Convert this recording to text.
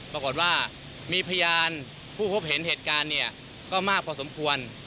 ปรากฏว่ามีพยานผู้พบเห็นเหตุการณ์เนี่ยก็มากพอสมควร